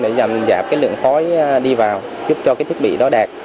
để nhằm giảm cái lượng khói đi vào giúp cho cái thiết bị đó đạt